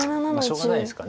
しょうがないですか。